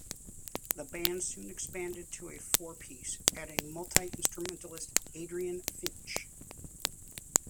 The band soon expanded to a four-piece, adding multi-instrumentalist Adrian Finch.